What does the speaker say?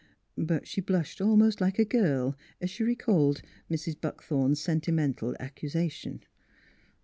But she blushed almost like a girl as she re called Mrs. Buckthorn's sentimental accusation.